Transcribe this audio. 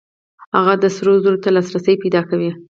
هغه سرو زرو ته لاسرسی پیدا کوي.